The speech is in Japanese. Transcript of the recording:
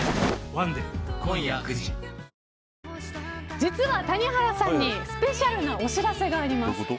実は、谷原さんにスペシャルなお知らせがあります。